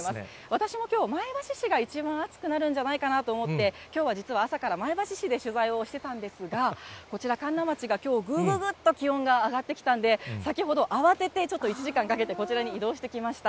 私もきょう、前橋市が一番暑くなるんじゃないかなと思って、きょうは実は朝から前橋市で取材をしてたんですが、こちら、神流町がきょう、ぐぐっと気温が上がってきたんで、先ほど慌てて、ちょっと１時間かけて、こちらに移動してきました。